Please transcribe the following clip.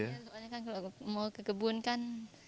ya soalnya kalau mau kekebun kan